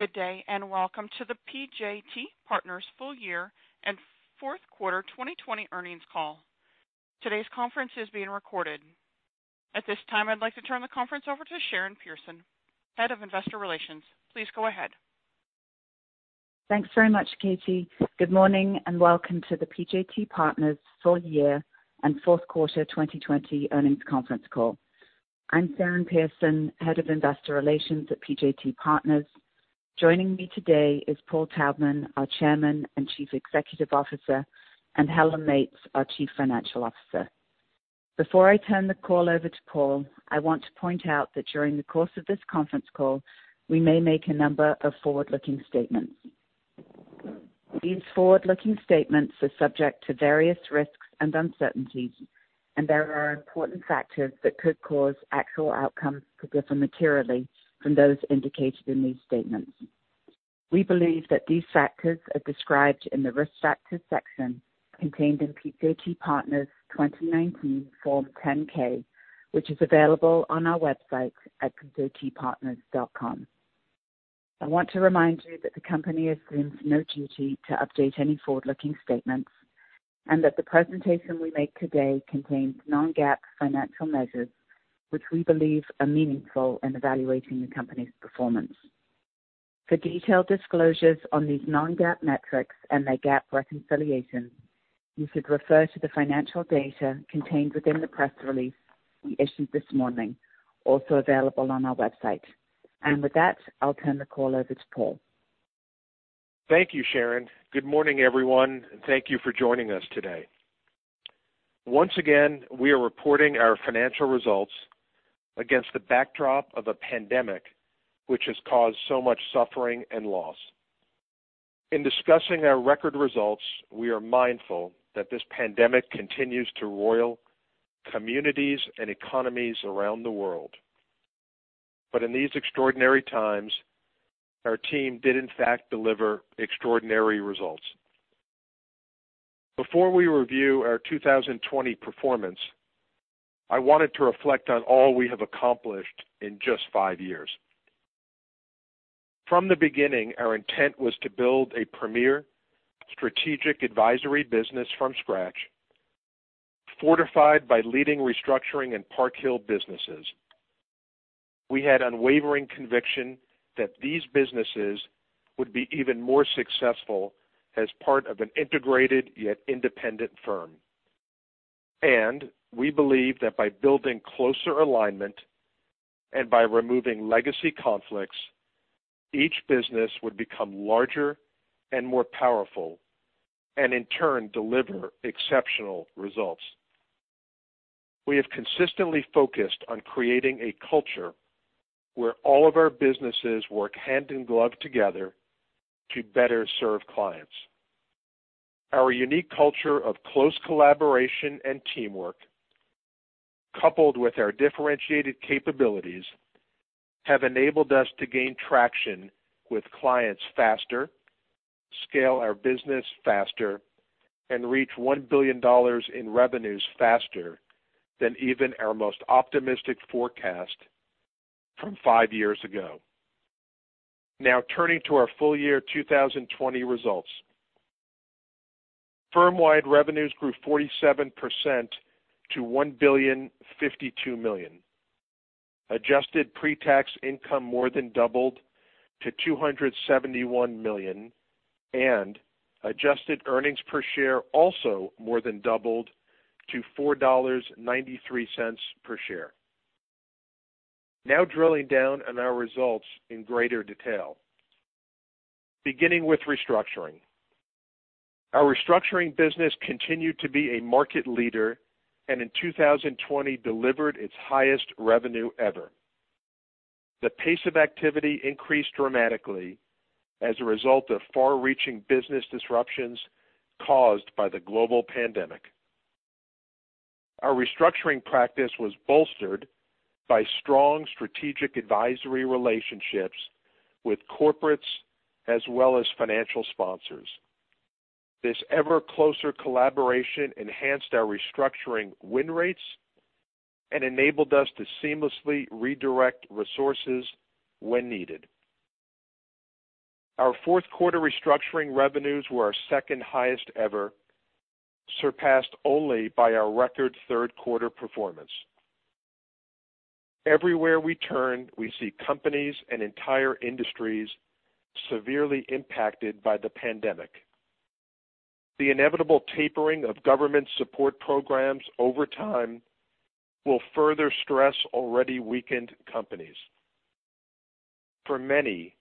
Good day and welcome to the PJT Partners' Full Year and Fourth Quarter 2020 Earnings Call. Today's conference is being recorded. At this time, I'd like to turn the conference over to Sharon Pearson, Head of Investor Relations. Please go ahead. Thanks very much, Katie. Good morning and welcome to the PJT Partners' Full Year and Fourth Quarter 2020 Earnings Conference Call. I'm Sharon Pearson, Head of Investor Relations at PJT Partners. Joining me today is Paul Taubman, our Chairman and Chief Executive Officer, and Helen Meates, our Chief Financial Officer. Before I turn the call over to Paul, I want to point out that during the course of this conference call, we may make a number of forward-looking statements. These forward-looking statements are subject to various risks and uncertainties, and there are important factors that could cause actual outcomes to differ materially from those indicated in these statements. We believe that these factors are described in the Risk Factors section contained in PJT Partners' 2019 Form 10-K, which is available on our website at pjtpartners.com. I want to remind you that the company assumes no duty to update any forward-looking statements and that the presentation we make today contains non-GAAP financial measures, which we believe are meaningful in evaluating the company's performance. For detailed disclosures on these non-GAAP metrics and their GAAP reconciliation, you should refer to the financial data contained within the press release we issued this morning, also available on our website, and with that, I'll turn the call over to Paul. Thank you, Sharon. Good morning, everyone, and thank you for joining us today. Once again, we are reporting our financial results against the backdrop of a pandemic which has caused so much suffering and loss. In discussing our record results, we are mindful that this pandemic continues to roil communities and economies around the world. But in these extraordinary times, our team did, in fact, deliver extraordinary results. Before we review our 2020 performance, I wanted to reflect on all we have accomplished in just five years. From the beginning, our intent was to build a premier strategic advisory business from scratch, fortified by leading restructuring and Park Hill businesses. We had unwavering conviction that these businesses would be even more successful as part of an integrated yet independent firm. We believe that by building closer alignment and by removing legacy conflicts, each business would become larger and more powerful and, in turn, deliver exceptional results. We have consistently focused on creating a culture where all of our businesses work hand in glove together to better serve clients. Our unique culture of close collaboration and teamwork, coupled with our differentiated capabilities, has enabled us to gain traction with clients faster, scale our business faster, and reach $1 billion in revenues faster than even our most optimistic forecast from five years ago. Now, turning to our full year 2020 results, firm-wide revenues grew 47% to $1,052 million. Adjusted pre-tax income more than doubled to $271 million, and Adjusted Earnings Per Share also more than doubled to $4.93 per share. Now, drilling down on our results in greater detail, beginning with restructuring. Our restructuring business continued to be a market leader and, in 2020, delivered its highest revenue ever. The pace of activity increased dramatically as a result of far-reaching business disruptions caused by the global pandemic. Our restructuring practice was bolstered by strong strategic advisory relationships with corporates as well as financial sponsors. This ever-closer collaboration enhanced our restructuring win rates and enabled us to seamlessly redirect resources when needed. Our fourth quarter restructuring revenues were our second highest ever, surpassed only by our record third quarter performance. Everywhere we turn, we see companies and entire industries severely impacted by the pandemic. The inevitable tapering of government support programs over time will further stress already weakened companies. For many,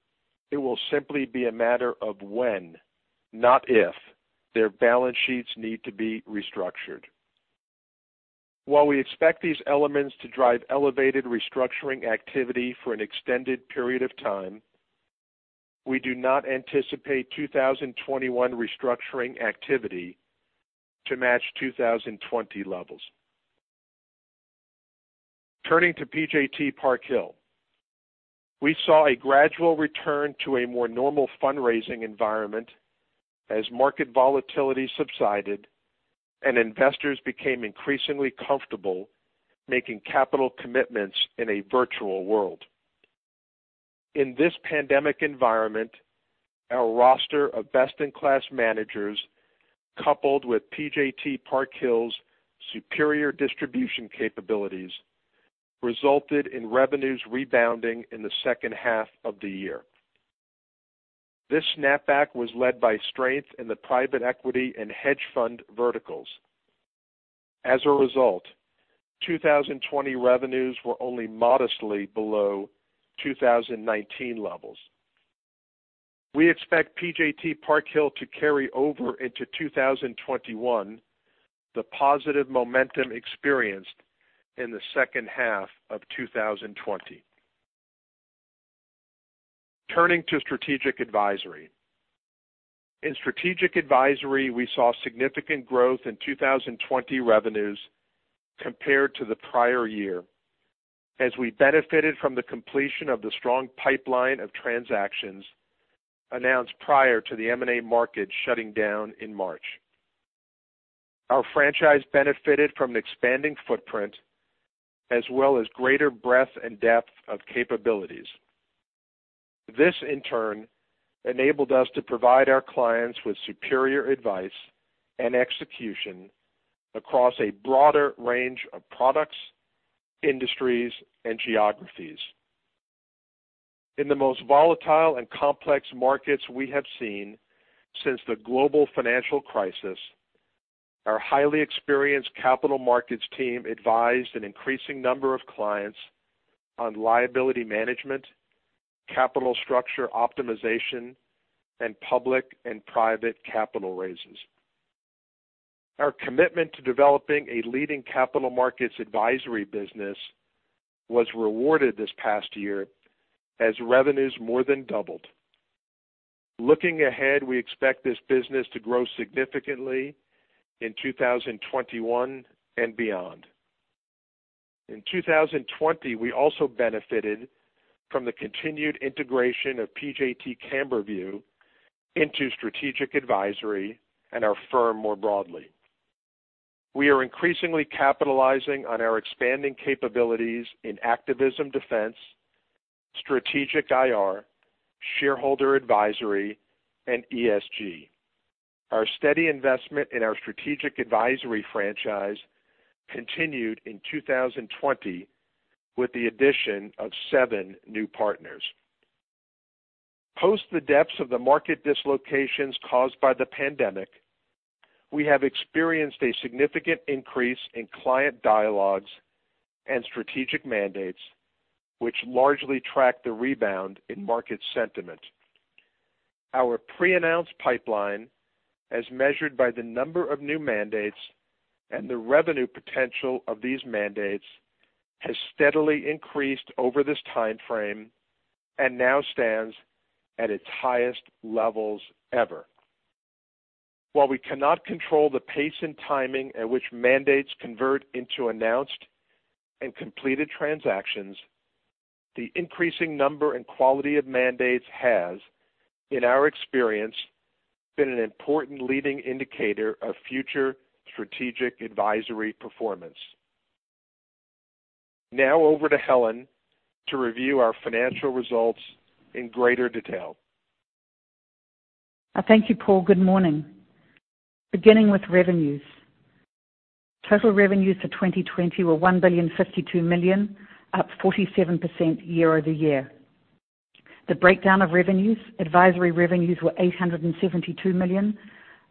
it will simply be a matter of when, not if, their balance sheets need to be restructured. While we expect these elements to drive elevated restructuring activity for an extended period of time, we do not anticipate 2021 restructuring activity to match 2020 levels. Turning to PJT Park Hill, we saw a gradual return to a more normal fundraising environment as market volatility subsided and investors became increasingly comfortable making capital commitments in a virtual world. In this pandemic environment, our roster of best-in-class managers, coupled with PJT Park Hill's superior distribution capabilities, resulted in revenues rebounding in the second half of the year. This snapback was led by strength in the private equity and hedge fund verticals. As a result, 2020 revenues were only modestly below 2019 levels. We expect PJT Park Hill to carry over into 2021 the positive momentum experienced in the second half of 2020. Turning to strategic advisory. In strategic advisory, we saw significant growth in 2020 revenues compared to the prior year as we benefited from the completion of the strong pipeline of transactions announced prior to the M&A market shutting down in March. Our franchise benefited from an expanding footprint as well as greater breadth and depth of capabilities. This, in turn, enabled us to provide our clients with superior advice and execution across a broader range of products, industries, and geographies. In the most volatile and complex markets we have seen since the global financial crisis, our highly experienced capital markets team advised an increasing number of clients on liability management, capital structure optimization, and public and private capital raises. Our commitment to developing a leading capital markets advisory business was rewarded this past year as revenues more than doubled. Looking ahead, we expect this business to grow significantly in 2021 and beyond. In 2020, we also benefited from the continued integration of PJT CamberView into strategic advisory and our firm more broadly. We are increasingly capitalizing on our expanding capabilities in activism defense, strategic IR, shareholder advisory, and ESG. Our steady investment in our strategic advisory franchise continued in 2020 with the addition of seven new partners. Post the depths of the market dislocations caused by the pandemic, we have experienced a significant increase in client dialogues and strategic mandates, which largely tracked the rebound in market sentiment. Our pre-announced pipeline, as measured by the number of new mandates and the revenue potential of these mandates, has steadily increased over this timeframe and now stands at its highest levels ever. While we cannot control the pace and timing at which mandates convert into announced and completed transactions, the increasing number and quality of mandates has, in our experience, been an important leading indicator of future strategic advisory performance. Now, over to Helen to review our financial results in greater detail. Thank you, Paul. Good morning. Beginning with revenues. Total revenues for 2020 were $1,052 million, up 47% year-over-year. The breakdown of revenues: advisory revenues were $872 million,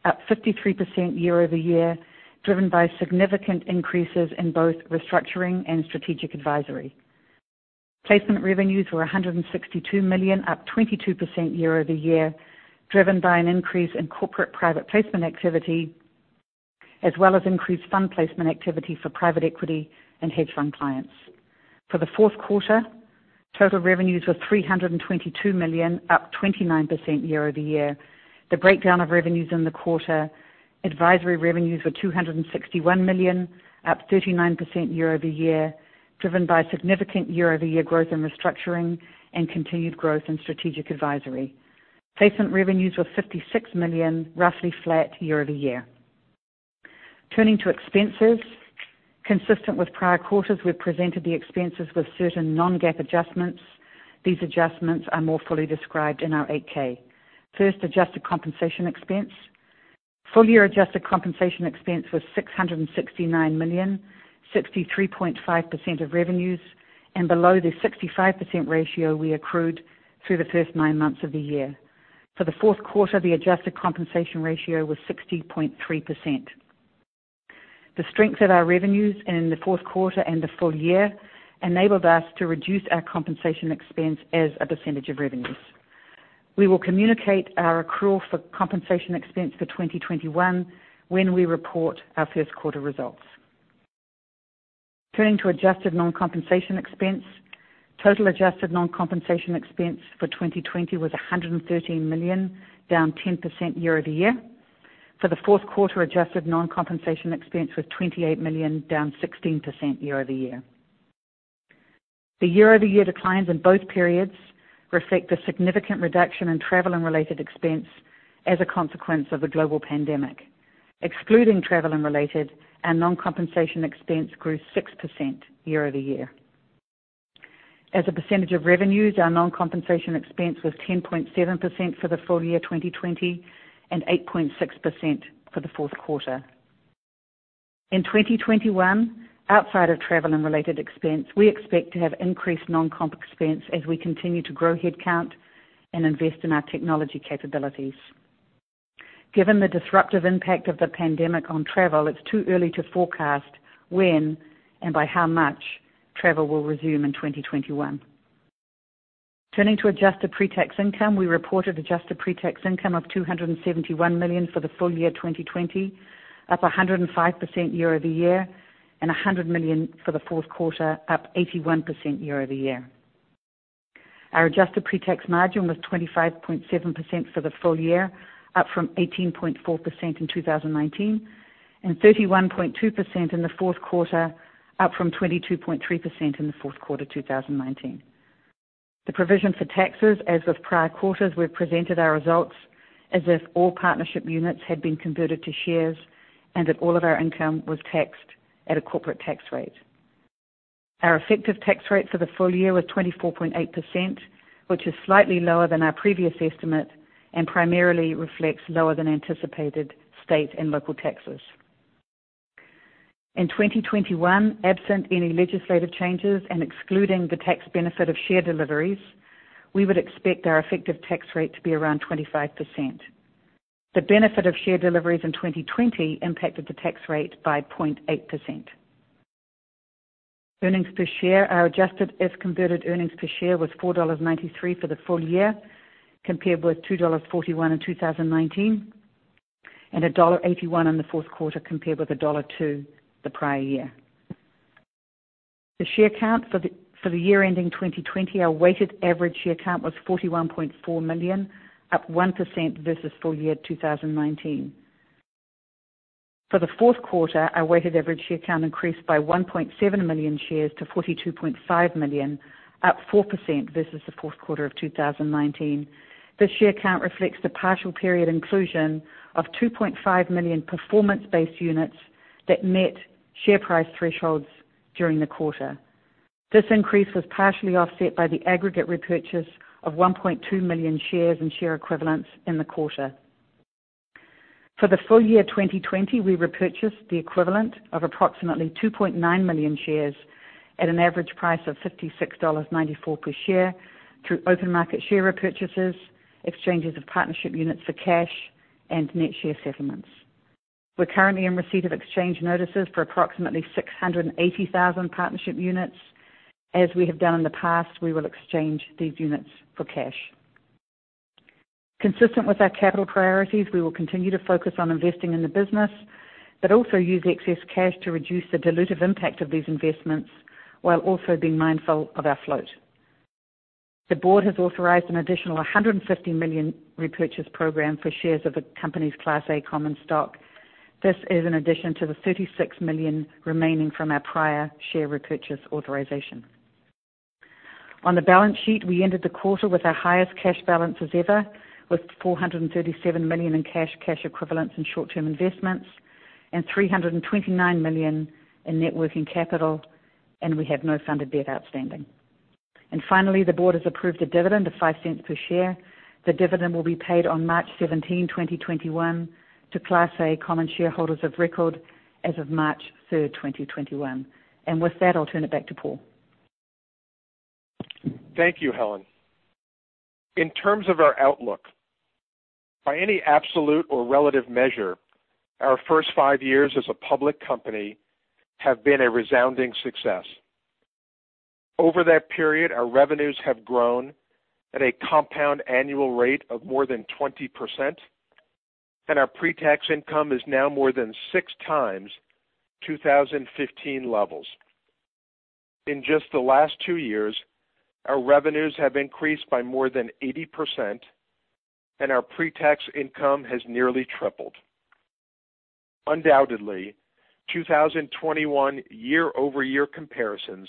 up 53% year-over-year, driven by significant increases in both restructuring and strategic advisory. Placement revenues were $162 million, up 22% year-over-year, driven by an increase in corporate private placement activity as well as increased fund placement activity for private equity and hedge fund clients. For the fourth quarter, total revenues were $322 million, up 29% year-over-year. The breakdown of revenues in the quarter: advisory revenues were $261 million, up 39% year-over-year, driven by significant year-over-year growth in restructuring and continued growth in strategic advisory. Placement revenues were $56 million, roughly flat year-over-year. Turning to expenses, consistent with prior quarters, we've presented the expenses with certain non-GAAP adjustments. These adjustments are more fully described in our 8-K. First, adjusted compensation expense. Full-year adjusted compensation expense was $669 million, 63.5% of revenues, and below the 65% ratio we accrued through the first nine months of the year. For the fourth quarter, the adjusted compensation ratio was 60.3%. The strength of our revenues in the fourth quarter and the full year enabled us to reduce our compensation expense as a percentage of revenues. We will communicate our accrual for compensation expense for 2021 when we report our first quarter results. Turning to adjusted non-compensation expense, total adjusted non-compensation expense for 2020 was $113 million, down 10% year-over-year. For the fourth quarter, adjusted non-compensation expense was $28 million, down 16% year-over-year. The year-over-year declines in both periods reflect a significant reduction in travel and related expense as a consequence of the global pandemic. Excluding travel and related, our non-compensation expense grew 6% year-over-year. As a percentage of revenues, our non-compensation expense was 10.7% for the full year 2020 and 8.6% for the fourth quarter. In 2021, outside of travel and related expense, we expect to have increased non-comp expense as we continue to grow headcount and invest in our technology capabilities. Given the disruptive impact of the pandemic on travel, it's too early to forecast when and by how much travel will resume in 2021. Turning to adjusted pre-tax income, we reported adjusted pre-tax income of $271 million for the full year 2020, up 105% year-over-year, and $100 million for the fourth quarter, up 81% year-over-year. Our adjusted pre-tax margin was 25.7% for the full year, up from 18.4% in 2019, and 31.2% in the fourth quarter, up from 22.3% in the fourth quarter 2019. The provision for taxes, as with prior quarters, we've presented our results as if all partnership units had been converted to shares and that all of our income was taxed at a corporate tax rate. Our effective tax rate for the full year was 24.8%, which is slightly lower than our previous estimate and primarily reflects lower-than-anticipated state and local taxes. In 2021, absent any legislative changes and excluding the tax benefit of share deliveries, we would expect our effective tax rate to be around 25%. The benefit of share deliveries in 2020 impacted the tax rate by 0.8%. Earnings per share, our Adjusted If-Converted Earnings Per Share was $4.93 for the full year compared with $2.41 in 2019 and $1.81 in the fourth quarter compared with $1.02 the prior year. The share count for the year-ending 2020, our weighted average share count was 41.4 million, up 1% versus full year 2019. For the fourth quarter, our weighted average share count increased by 1.7 million shares to 42.5 million, up 4% versus the fourth quarter of 2019. This share count reflects the partial period inclusion of 2.5 million performance-based units that met share price thresholds during the quarter. This increase was partially offset by the aggregate repurchase of 1.2 million shares and share equivalents in the quarter. For the full year 2020, we repurchased the equivalent of approximately 2.9 million shares at an average price of $56.94 per share through open market share repurchases, exchanges of partnership units for cash, and net share settlements. We're currently in receipt of exchange notices for approximately 680,000 partnership units. As we have done in the past, we will exchange these units for cash. Consistent with our capital priorities, we will continue to focus on investing in the business but also use excess cash to reduce the dilutive impact of these investments while also being mindful of our float. The Board has authorized an additional $150 million repurchase program for shares of the company's Class A common stock. This is in addition to the $36 million remaining from our prior share repurchase authorization. On the balance sheet, we ended the quarter with our highest cash balances ever, with $437 million in cash, cash equivalents and short-term investments, and $329 million in net working capital, and we have no funded debt outstanding. And finally, the Board has approved a dividend of $0.05 per share. The dividend will be paid on March 17th, 2021, to Class A common shareholders of record as of March 3rd, 2021. And with that, I'll turn it back to Paul. Thank you, Helen. In terms of our outlook, by any absolute or relative measure, our first five years as a public company have been a resounding success. Over that period, our revenues have grown at a compound annual rate of more than 20%, and our pre-tax income is now more than six times 2015 levels. In just the last two years, our revenues have increased by more than 80%, and our pre-tax income has nearly tripled. Undoubtedly, 2021 year-over-year comparisons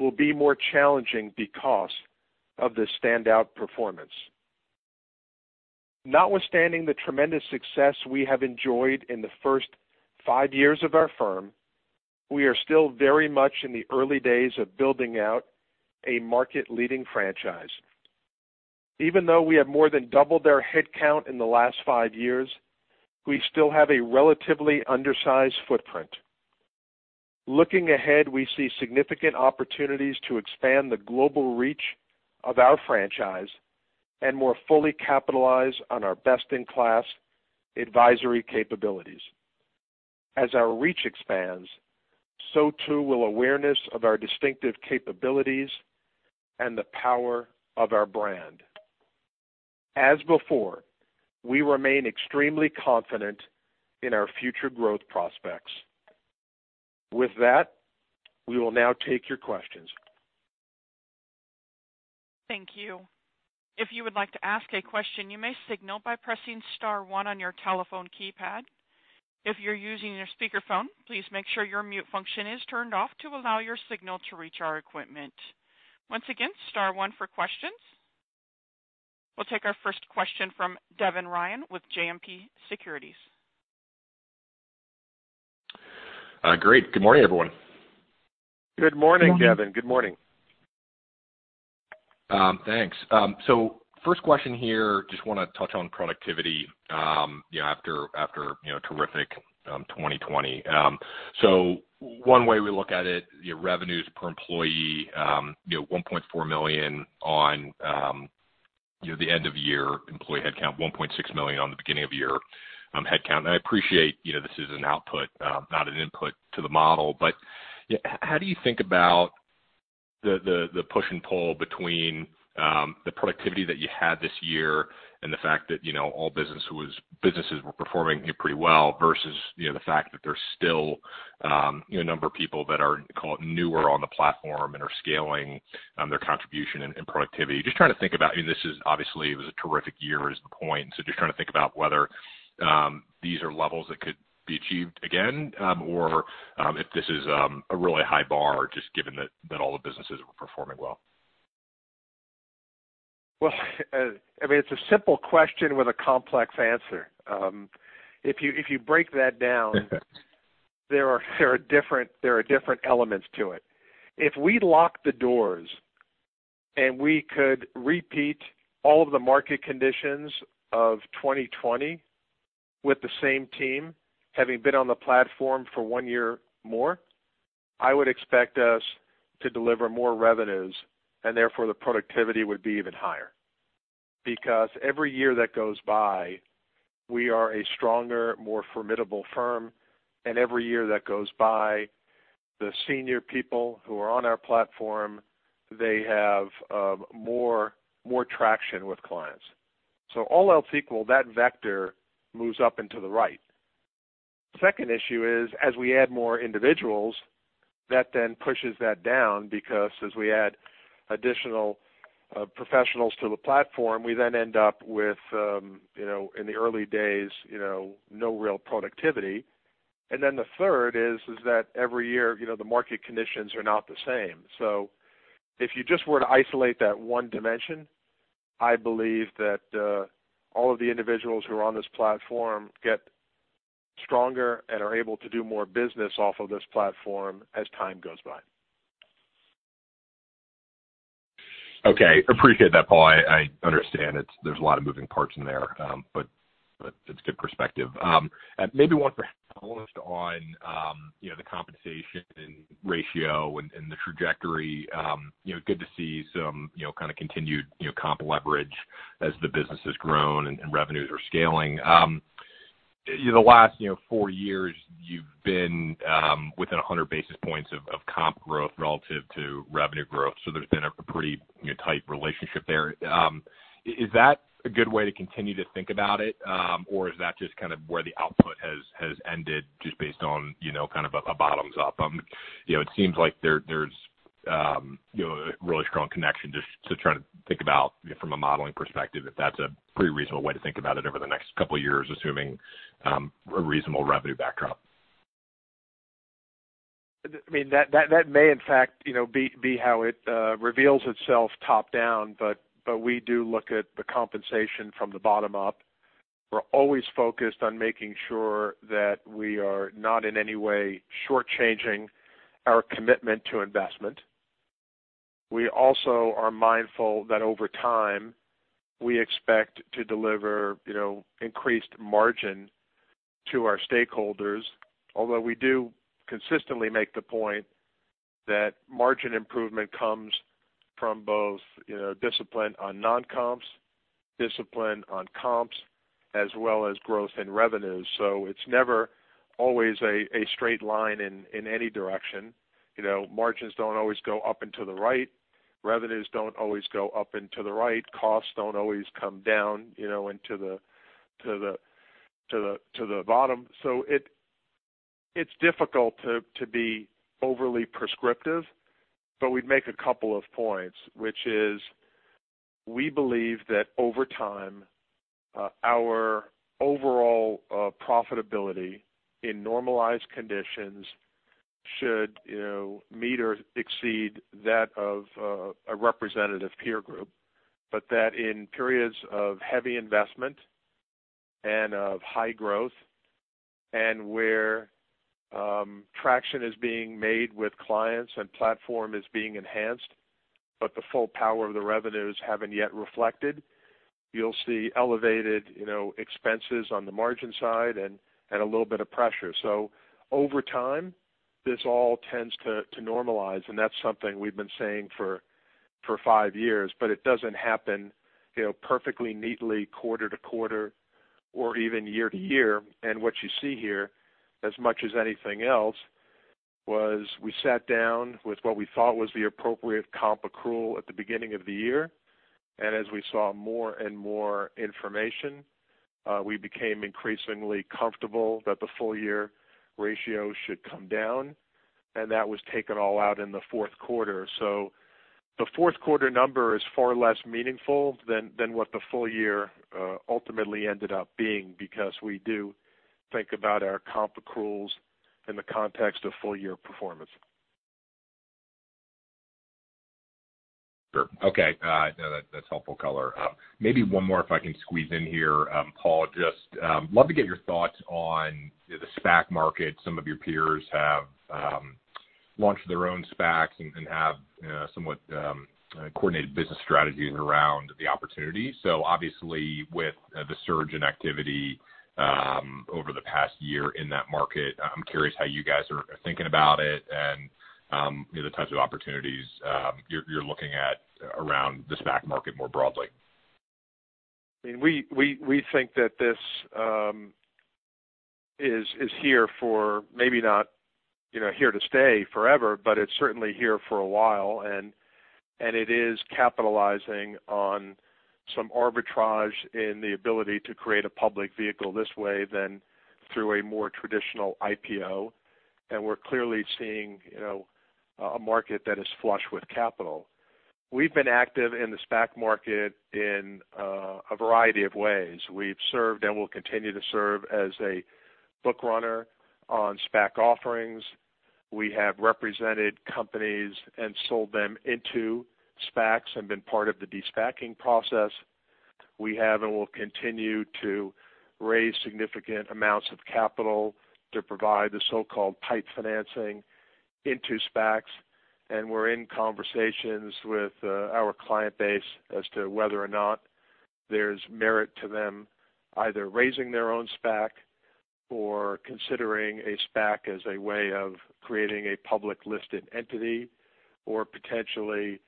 will be more challenging because of the standout performance. Notwithstanding the tremendous success we have enjoyed in the first five years of our firm, we are still very much in the early days of building out a market-leading franchise. Even though we have more than doubled our headcount in the last five years, we still have a relatively undersized footprint. Looking ahead, we see significant opportunities to expand the global reach of our franchise and more fully capitalize on our best-in-class advisory capabilities. As our reach expands, so too will awareness of our distinctive capabilities and the power of our brand. As before, we remain extremely confident in our future growth prospects. With that, we will now take your questions. Thank you. If you would like to ask a question, you may signal by pressing Star 1 on your telephone keypad. If you're using your speakerphone, please make sure your mute function is turned off to allow your signal to reach our equipment. Once again, Star 1 for questions. We'll take our first question from Devin Ryan with JMP Securities. Great. Good morning, everyone. Good morning, Devin. Good morning. Thanks. So first question here, just want to touch on productivity after a terrific 2020. So one way we look at it, revenues per employee, $1.4 million on the end-of-year employee headcount, $1.6 million on the beginning-of-year headcount. And I appreciate this is an output, not an input to the model, but how do you think about the push and pull between the productivity that you had this year and the fact that all businesses were performing pretty well versus the fact that there's still a number of people that are, call it, newer on the platform and are scaling their contribution and productivity? Just trying to think about, I mean, this is obviously was a terrific year, is the point. So just trying to think about whether these are levels that could be achieved again or if this is a really high bar just given that all the businesses were performing well. Well, I mean, it's a simple question with a complex answer. If you break that down, there are different elements to it. If we lock the doors and we could repeat all of the market conditions of 2020 with the same team having been on the platform for one year more, I would expect us to deliver more revenues and therefore the productivity would be even higher. Because every year that goes by, we are a stronger, more formidable firm, and every year that goes by, the senior people who are on our platform, they have more traction with clients. So all else equal, that vector moves up and to the right. Second issue is, as we add more individuals, that then pushes that down because as we add additional professionals to the platform, we then end up with, in the early days, no real productivity. And then the third is that every year, the market conditions are not the same. So if you just were to isolate that one dimension, I believe that all of the individuals who are on this platform get stronger and are able to do more business off of this platform as time goes by. Okay. Appreciate that, Paul. I understand there's a lot of moving parts in there, but it's good perspective. Maybe one for Helen on the compensation ratio and the trajectory. Good to see some kind of continued comp leverage as the business has grown and revenues are scaling. The last four years, you've been within 100 basis points of comp growth relative to revenue growth, so there's been a pretty tight relationship there. Is that a good way to continue to think about it, or is that just kind of where the output has ended just based on kind of a bottoms-up? It seems like there's a really strong connection to trying to think about from a modeling perspective if that's a pretty reasonable way to think about it over the next couple of years, assuming a reasonable revenue backdrop. I mean, that may, in fact, be how it reveals itself top-down, but we do look at the compensation from the bottom up. We're always focused on making sure that we are not in any way shortchanging our commitment to investment. We also are mindful that over time, we expect to deliver increased margin to our stakeholders, although we do consistently make the point that margin improvement comes from both discipline on non-comps, discipline on comps, as well as growth in revenues. So it's never always a straight line in any direction. Margins don't always go up and to the right. Revenues don't always go up and to the right. Costs don't always come down into the bottom. So it's difficult to be overly prescriptive, but we'd make a couple of points, which is we believe that over time, our overall profitability in normalized conditions should meet or exceed that of a representative peer group, but that in periods of heavy investment and of high growth and where traction is being made with clients and platform is being enhanced, but the full power of the revenues haven't yet reflected, you'll see elevated expenses on the margin side and a little bit of pressure. So over time, this all tends to normalize, and that's something we've been saying for five years, but it doesn't happen perfectly neatly quarter to quarter or even year to year. What you see here, as much as anything else, was we sat down with what we thought was the appropriate comp accrual at the beginning of the year, and as we saw more and more information, we became increasingly comfortable that the full-year ratio should come down, and that was taken all out in the fourth quarter. The fourth quarter number is far less meaningful than what the full year ultimately ended up being because we do think about our comp accruals in the context of full-year performance. Sure. Okay. That's helpful color. Maybe one more if I can squeeze in here, Paul. Just love to get your thoughts on the SPAC market. Some of your peers have launched their own SPACs and have somewhat coordinated business strategies around the opportunity. So obviously, with the surge in activity over the past year in that market, I'm curious how you guys are thinking about it and the types of opportunities you're looking at around the SPAC market more broadly. I mean, we think that this is here for maybe not here to stay forever, but it's certainly here for a while, and it is capitalizing on some arbitrage in the ability to create a public vehicle this way than through a more traditional IPO, and we're clearly seeing a market that is flush with capital. We've been active in the SPAC market in a variety of ways. We've served and will continue to serve as a bookrunner on SPAC offerings. We have represented companies and sold them into SPACs and been part of the de-SPACing process. We have and will continue to raise significant amounts of capital to provide the so-called PIPE financing into SPACs, and we're in conversations with our client base as to whether or not there's merit to them either raising their own SPAC or considering a SPAC as a way of creating a public-listed entity or potentially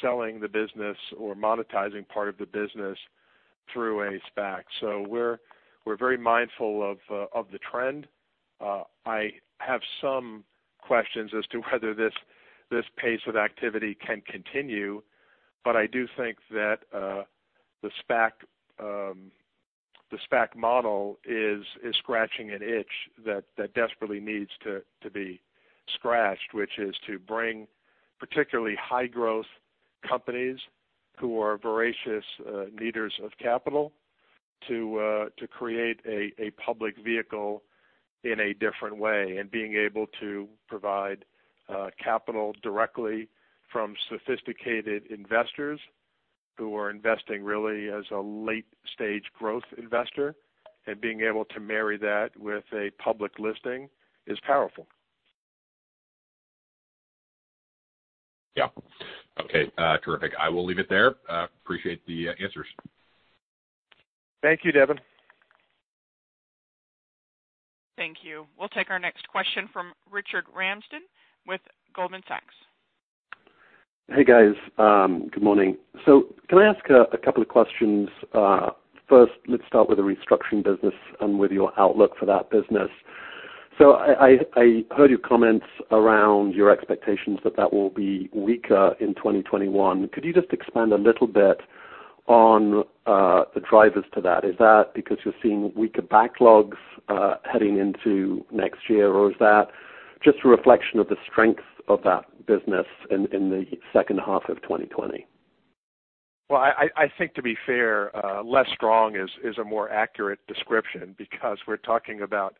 selling the business or monetizing part of the business through a SPAC. So we're very mindful of the trend. I have some questions as to whether this pace of activity can continue, but I do think that the SPAC model is scratching an itch that desperately needs to be scratched, which is to bring particularly high-growth companies who are voracious needers of capital to create a public vehicle in a different way. Being able to provide capital directly from sophisticated investors who are investing really as a late-stage growth investor and being able to marry that with a public listing is powerful. Yep. Okay. Terrific. I will leave it there. Appreciate the answers. Thank you, Devin. Thank you. We'll take our next question from Richard Ramsden with Goldman Sachs. Hey, guys. Good morning. So can I ask a couple of questions? First, let's start with the restructuring business and with your outlook for that business. So I heard your comments around your expectations that that will be weaker in 2021. Could you just expand a little bit on the drivers to that? Is that because you're seeing weaker backlogs heading into next year, or is that just a reflection of the strength of that business in the second half of 2020? I think, to be fair, less strong is a more accurate description because we're talking about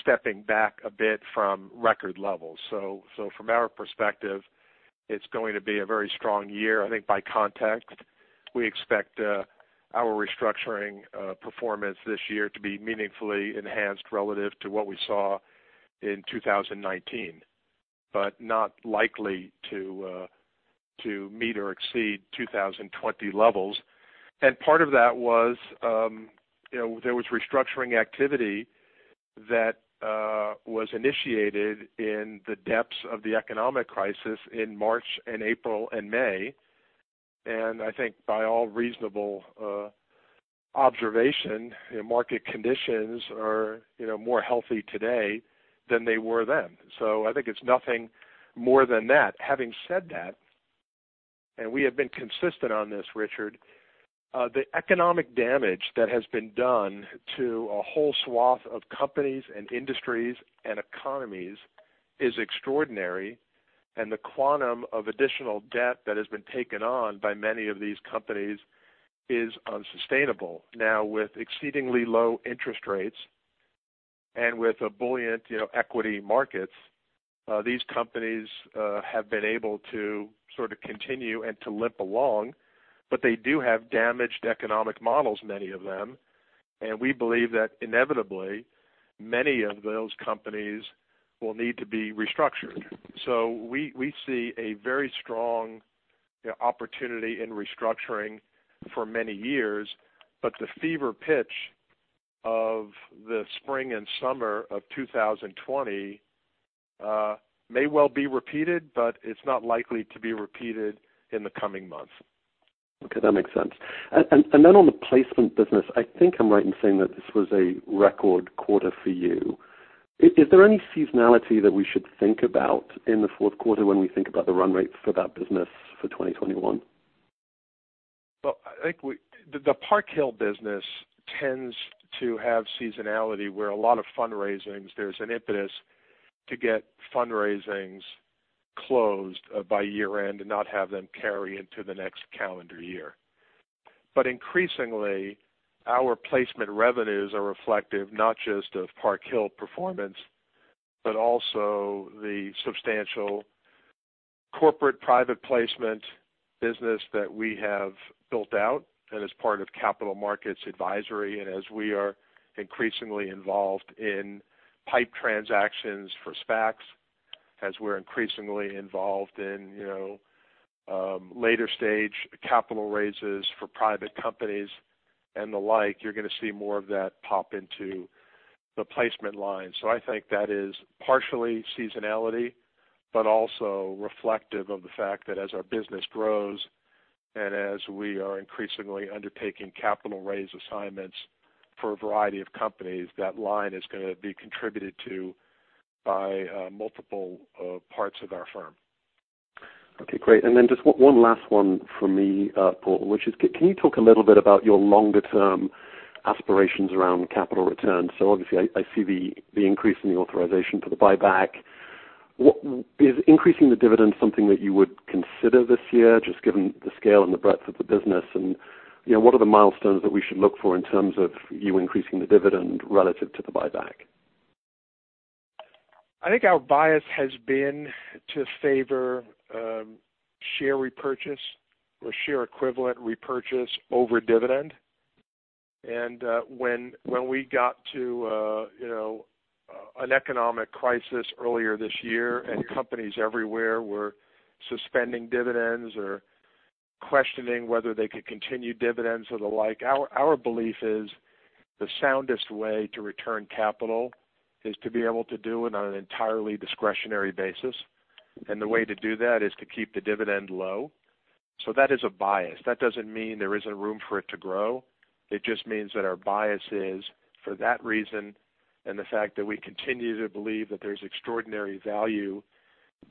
stepping back a bit from record levels. From our perspective, it's going to be a very strong year. I think by context, we expect our restructuring performance this year to be meaningfully enhanced relative to what we saw in 2019, but not likely to meet or exceed 2020 levels. Part of that, there was restructuring activity that was initiated in the depths of the economic crisis in March, April, and May. I think by all reasonable observation, market conditions are more healthy today than they were then. I think it's nothing more than that. Having said that, and we have been consistent on this, Richard, the economic damage that has been done to a whole swath of companies and industries and economies is extraordinary, and the quantum of additional debt that has been taken on by many of these companies is unsustainable. Now, with exceedingly low interest rates and with the buoyant equity markets, these companies have been able to sort of continue and to limp along, but they do have damaged economic models, many of them, and we believe that inevitably, many of those companies will need to be restructured. So we see a very strong opportunity in restructuring for many years, but the fever pitch of the spring and summer of 2020 may well be repeated, but it's not likely to be repeated in the coming months. Okay. That makes sense. And then on the placement business, I think I'm right in saying that this was a record quarter for you. Is there any seasonality that we should think about in the fourth quarter when we think about the run rates for that business for 2021? I think the Park Hill business tends to have seasonality where a lot of fundraisings, there's an impetus to get fundraisings closed by year-end and not have them carry into the next calendar year. But increasingly, our placement revenues are reflective not just of Park Hill performance, but also the substantial corporate private placement business that we have built out and as part of capital markets advisory. And as we are increasingly involved in PIPE transactions for SPACs, as we're increasingly involved in later-stage capital raises for private companies and the like, you're going to see more of that pop into the placement line. I think that is partially seasonality, but also reflective of the fact that as our business grows and as we are increasingly undertaking capital raise assignments for a variety of companies, that line is going to be contributed to by multiple parts of our firm. Okay. Great. And then just one last one for me, Paul, which is, can you talk a little bit about your longer-term aspirations around capital returns? So obviously, I see the increase in the authorization for the buyback. Is increasing the dividend something that you would consider this year, just given the scale and the breadth of the business? And what are the milestones that we should look for in terms of you increasing the dividend relative to the buyback? I think our bias has been to favor share repurchase or share equivalent repurchase over dividend. And when we got to an economic crisis earlier this year and companies everywhere were suspending dividends or questioning whether they could continue dividends or the like, our belief is the soundest way to return capital is to be able to do it on an entirely discretionary basis. And the way to do that is to keep the dividend low. So that is a bias. That doesn't mean there isn't room for it to grow. It just means that our bias is for that reason and the fact that we continue to believe that there's extraordinary value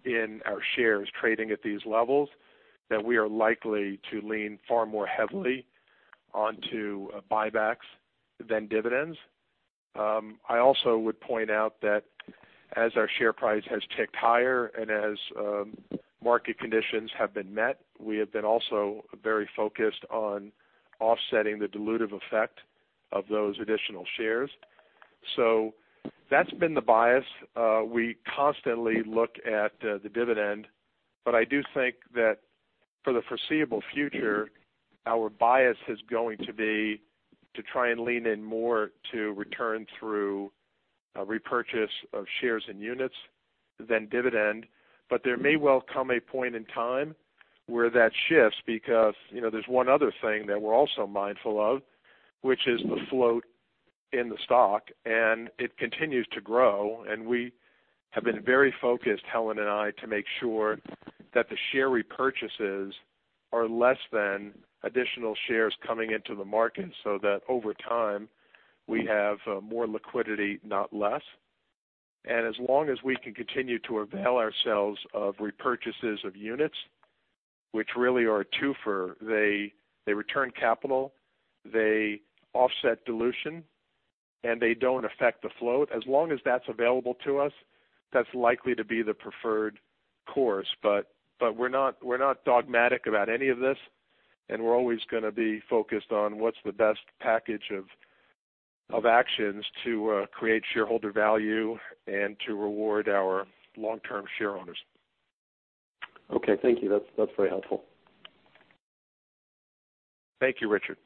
in our shares trading at these levels, that we are likely to lean far more heavily onto buybacks than dividends. I also would point out that as our share price has ticked higher and as market conditions have been met, we have been also very focused on offsetting the dilutive effect of those additional shares, so that's been the bias. We constantly look at the dividend, but I do think that for the foreseeable future, our bias is going to be to try and lean in more to return through repurchase of shares and units than dividend, but there may well come a point in time where that shifts because there's one other thing that we're also mindful of, which is the float in the stock, and it continues to grow, and we have been very focused, Helen and I, to make sure that the share repurchases are less than additional shares coming into the market so that over time, we have more liquidity, not less. And as long as we can continue to avail ourselves of repurchases of units, which really are a twofer, they return capital, they offset dilution, and they don't affect the float, as long as that's available to us, that's likely to be the preferred course. But we're not dogmatic about any of this, and we're always going to be focused on what's the best package of actions to create shareholder value and to reward our long-term shareholders. Okay. Thank you. That's very helpful. Thank you, Richard.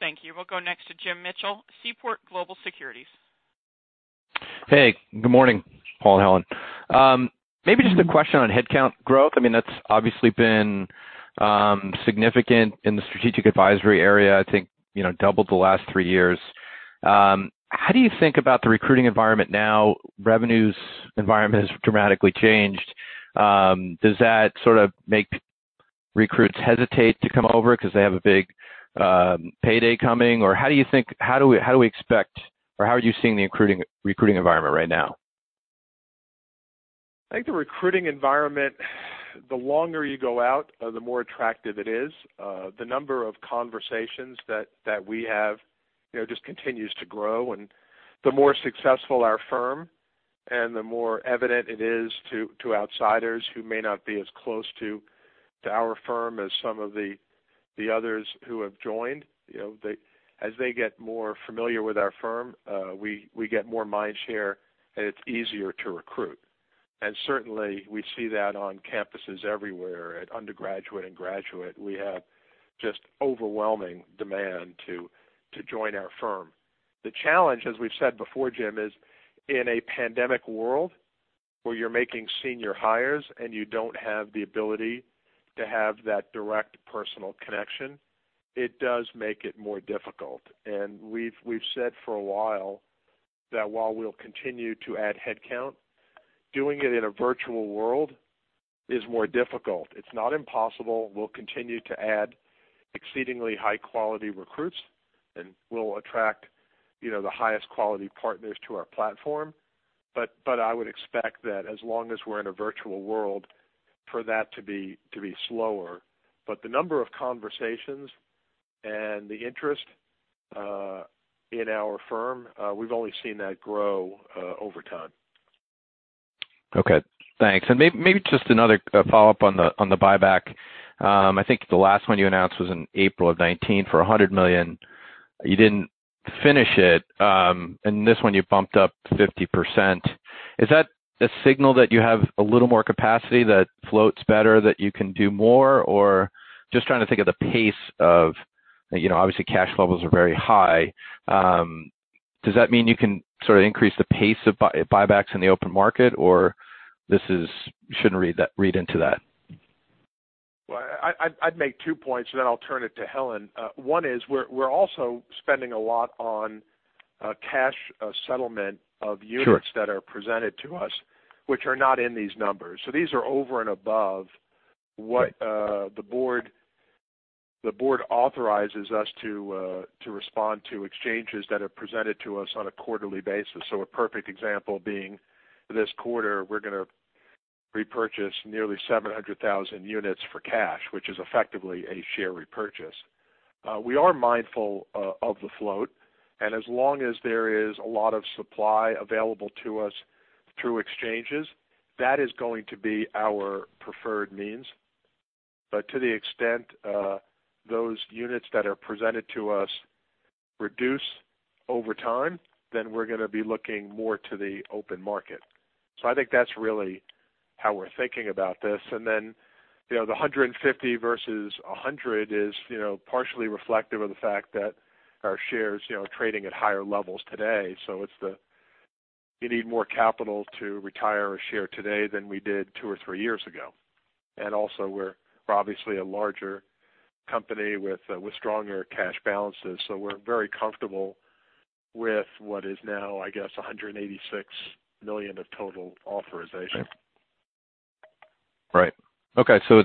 Thank you. We'll go next to Jim Mitchell, Seaport Global Securities. Hey. Good morning, Paul and Helen. Maybe just a question on headcount growth. I mean, that's obviously been significant in the strategic advisory area, I think doubled the last three years. How do you think about the recruiting environment now? Revenue environment has dramatically changed. Does that sort of make recruits hesitate to come over because they have a big payday coming? Or how do we expect or how are you seeing the recruiting environment right now? I think the recruiting environment, the longer you go out, the more attractive it is. The number of conversations that we have just continues to grow, and the more successful our firm and the more evident it is to outsiders who may not be as close to our firm as some of the others who have joined, as they get more familiar with our firm, we get more mindshare, and it's easier to recruit, and certainly, we see that on campuses everywhere at undergraduate and graduate. We have just overwhelming demand to join our firm. The challenge, as we've said before, Jim, is in a pandemic world where you're making senior hires and you don't have the ability to have that direct personal connection, it does make it more difficult. And we've said for a while that while we'll continue to add headcount, doing it in a virtual world is more difficult. It's not impossible. We'll continue to add exceedingly high-quality recruits, and we'll attract the highest quality partners to our platform. But I would expect that as long as we're in a virtual world, for that to be slower. But the number of conversations and the interest in our firm, we've only seen that grow over time. Okay. Thanks. And maybe just another follow-up on the buyback. I think the last one you announced was in April of 2019 for $100 million. You didn't finish it. And this one, you bumped up 50%. Is that a signal that you have a little more capacity, that float's better, that you can do more? Or just trying to think of the pace of, obviously, cash levels are very high. Does that mean you can sort of increase the pace of buybacks in the open market, or this shouldn't read into that? I'd make two points, and then I'll turn it to Helen. One is we're also spending a lot on cash settlement of units that are presented to us, which are not in these numbers. So these are over and above what the Board authorizes us to respond to exchanges that are presented to us on a quarterly basis. So a perfect example being this quarter, we're going to repurchase nearly 700,000 units for cash, which is effectively a share repurchase. We are mindful of the float. And as long as there is a lot of supply available to us through exchanges, that is going to be our preferred means. But to the extent those units that are presented to us reduce over time, then we're going to be looking more to the open market. So I think that's really how we're thinking about this. And then the $150 versus $100 is partially reflective of the fact that our shares are trading at higher levels today. So you need more capital to retire a share today than we did two or three years ago. And also, we're obviously a larger company with stronger cash balances. So we're very comfortable with what is now, I guess, $186 million of total authorization. Right. Okay. So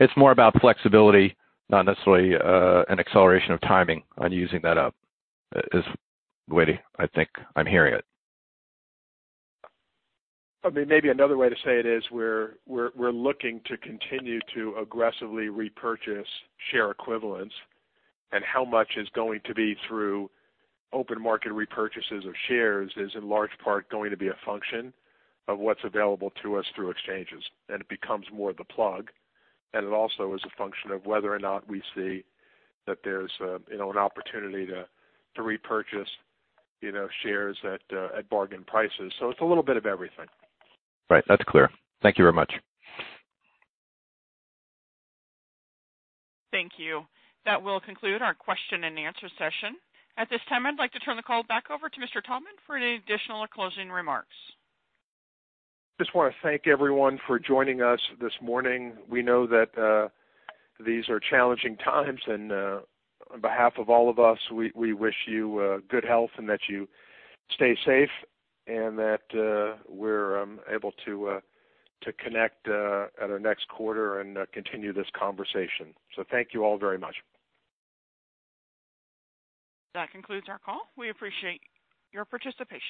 it's more about flexibility, not necessarily an acceleration of timing on using that up, is the way I think I'm hearing it. I mean, maybe another way to say it is we're looking to continue to aggressively repurchase share equivalents. And how much is going to be through open market repurchases of shares is in large part going to be a function of what's available to us through exchanges. And it becomes more the plug. And it also is a function of whether or not we see that there's an opportunity to repurchase shares at bargain prices. So it's a little bit of everything. Right. That's clear. Thank you very much. Thank you. That will conclude our question and answer session. At this time, I'd like to turn the call back over to Mr. Taubman for any additional closing remarks. Just want to thank everyone for joining us this morning. We know that these are challenging times, and on behalf of all of us, we wish you good health and that you stay safe and that we're able to connect at our next quarter and continue this conversation, so thank you all very much. That concludes our call. We appreciate your participation.